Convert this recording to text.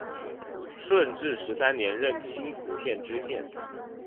顺治十三年任青浦县知县。